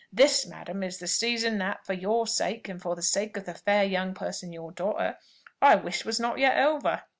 This, madam, is the season that, for your sake, and for the sake of the fair young person your daughter, I wished was not yet over."